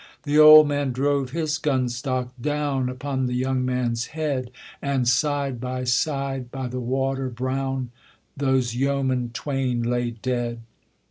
The old man drove his gunstock down Upon the young man's head; And side by side, by the water brown, Those yeomen twain lay dead.